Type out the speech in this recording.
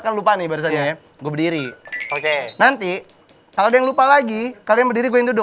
kalau linar portanya gua berdiri oke nanti kalau dan lupa lagi kalian berdiri coy duduk